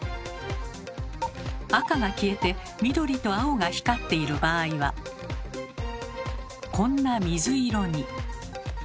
赤が消えて緑と青が光っている場合はこんな水色に。